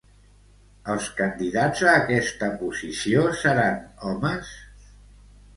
Els candidats a aquesta posició seran homes?